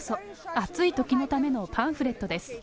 暑いときのためのパンフレットです。